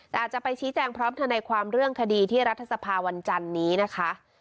แต่อาจจะไปชี้แจงพร้อมทนายความเรื่องคดีที่รัฐสภาวันจันนี้นะคะ